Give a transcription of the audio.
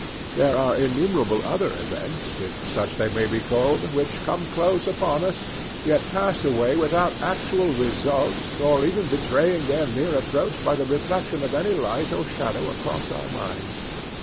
There are innumerable other events, if such they may be called, which come close upon us, yet pass away without actual results or even betraying their near approach by the reflection of any light or shadow across our minds.